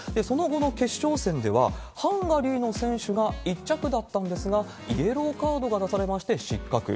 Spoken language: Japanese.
その後の決勝戦では、ハンガリーの選手が１着だったんですが、イエローカードが出されまして、失格。